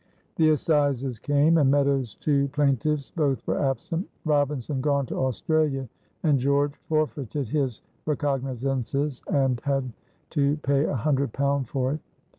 The assizes came, and Meadows' two plaintiffs both were absent: Robinson gone to Australia, and George forfeited his recognizances and had, to pay a hundred pound for it.